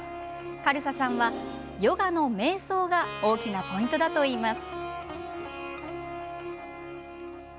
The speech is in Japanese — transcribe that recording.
カルサさんは、ヨガのめい想が大きなポイントだといいます。